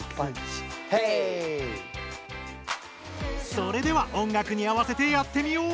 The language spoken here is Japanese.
それでは音楽に合わせてやってみよう！